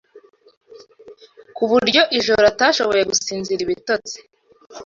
ku buryo iryo joro atashoboye gusinzira ibitotsi